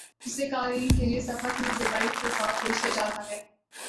جسے قارئین کے لیے صفحہ کی زیبائی کے ساتھ پیش کیا جارہاہے